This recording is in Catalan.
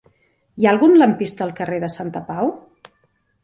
Hi ha algun lampista al carrer de Santapau?